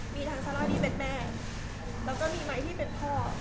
มีทั้งซาร่าที่เป็นแม่แล้วก็มีไม้ที่เป็นพ่อ